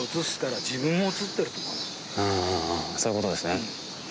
そういうことですね。